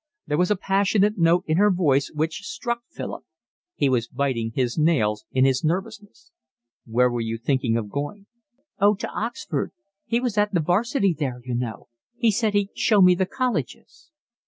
There was a passionate note in her voice which struck Philip. He was biting his nails in his nervousness. "Where were you thinking of going?" "Oh, to Oxford. He was at the 'Varsity there, you know. He said he'd show me the colleges."